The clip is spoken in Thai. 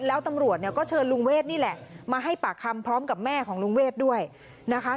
แล้วตำรวจเนี่ยก็เชิญลุงเวทนี่แหละมาให้ปากคำพร้อมกับแม่ของลุงเวทด้วยนะคะ